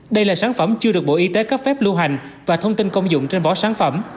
đây là sản phẩm chưa được bộ y tế cấp phép lưu hành và thông tin công dụng trên bỏ sản phẩm